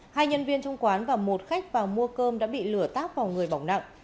hai nhân viên trong quán và một khách vào mua cơm đã bị lửa táp vào người bỏng nặng